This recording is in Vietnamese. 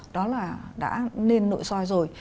đó là đã nên nội soi rồi